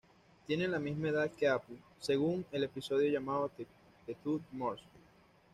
Tiene la misma edad que Apu, según el episodio llamado "The Two Mrs.